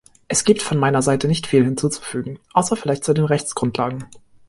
Es gibt von meiner Seite nicht viel hinzuzufügen, außer vielleicht zu den Rechtsgrundlagen.